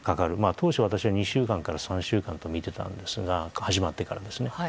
当初、私は２週間から３週間とみていたんですが始まってからですね。